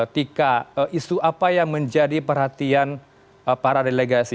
tika isu apa yang menjadi perhatian para delegasi